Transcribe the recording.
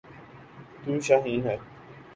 'تو شاہین ہے۔